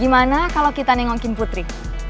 gimana kalau kita nengokin putri